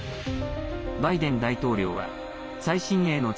バイデン大統領は最新鋭の地